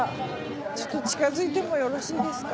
ちょっと近づいてもよろしいですか？